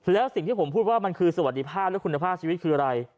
แล้วสิ่งที่ผมพูดว่ามันคือสวัสดิภาพและคุณภาพชีวิตคืออะไร